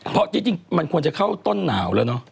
เพราะที่จริงมันควรจะเข้าต้นหนาวแล้วเนอะ